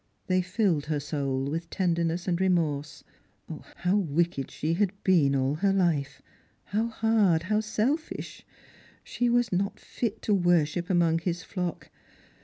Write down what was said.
They filled her soul with tenderness and remorse. How wicked (he had been all her life ! how hard, how selfish ! She was no^ 298 Strangers and Pilgrims. fit to worship among his ilock.